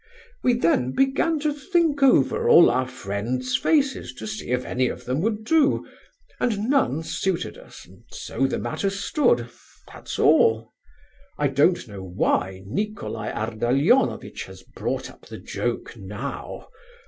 We then began to think over all our friends' faces to see if any of them would do, and none suited us, and so the matter stood; that's all. I don't know why Nicolai Ardalionovitch has brought up the joke now.